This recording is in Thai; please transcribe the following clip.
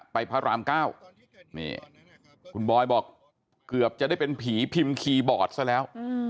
พระราม๙นี่คุณบอยบอกเกือบจะได้เป็นผีพิมพ์คีย์บอร์ดซะแล้ว